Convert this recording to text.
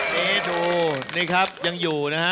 นี่ดูนี่ครับยังอยู่นะฮะ